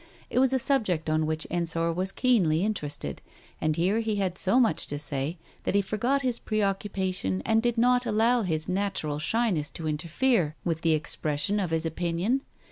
It was a subject on which Ensor was keenly interested, and here he had so much to say that he forgot his preoccupation and did not allow his natural shyness to interfere with the expression of his opinion.